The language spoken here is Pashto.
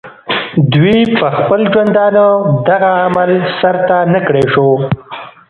دوي پۀ خپل ژوندانۀ دغه عمل سر ته نۀ کړے شو